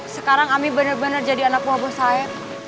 sekarang amir bener bener jadi anak buah bos saeb